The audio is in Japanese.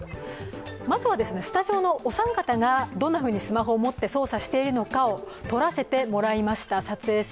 まずはスタジオのお三方がどんなふうにスマホを持って操作しているか、撮影させてもらいました。